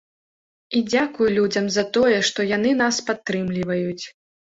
І дзякуй людзям за тое, што яны нас падтрымліваюць.